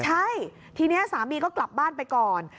ใช่ทีนี้สามีก็กลับบ้านไปก่อน